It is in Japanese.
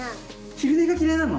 昼寝が嫌いなの？